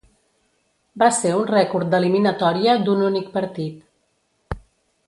Va ser un rècord d'eliminatòria d'un únic partit.